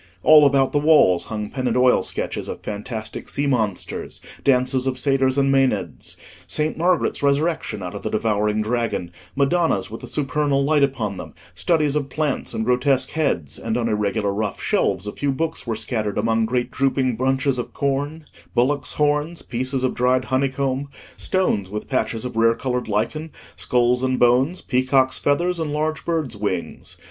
All about the walls hung pen and oil sketches of fantastic sea monsters; dances of satyrs and maenads; Saint Margaret's resurrection out of the devouring dragon; Madonnas with the supernal light upon them; studies of plants and grotesque heads; and on irregular rough shelves a few books were scattered among great drooping bunches of corn, bullocks' horns, pieces of dried honeycomb, stones with patches of rare coloured lichen, skulls and bones, peacocks' feathers, and large birds' wings.